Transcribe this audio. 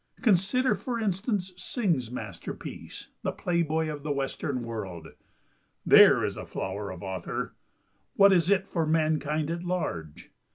Consider, for instance, Synge's masterpiece, "The Playboy of the Western World!" There is flower of author! What is it for mankind at large?